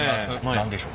何でしょう？